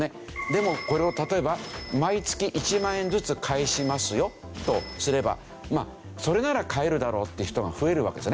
でもこれを例えば毎月１万円ずつ返しますよとすればそれなら買えるだろうって人が増えるわけですよね。